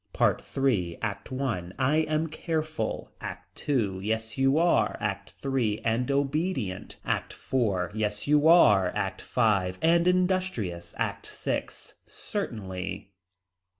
PART III. ACT I. I am careful. ACT II. Yes you are. ACT III. And obedient. ACT IV. Yes you are. ACT V. And industrious. ACT VI. Certainly.